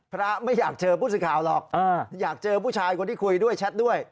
ไม่อยากเจอผู้สื่อข่าวหรอกอยากเจอผู้ชายคนที่คุยด้วยแชทด้วย